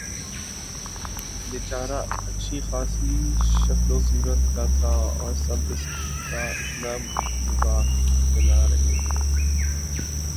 بے چارہ اچھی خاصی شکل صورت کا تھا اور سب اس کا اتنا مذاق بنا رہے تھے